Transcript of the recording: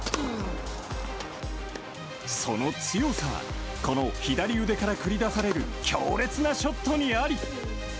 その強さは、この左腕から繰り出される強烈なショットにあり。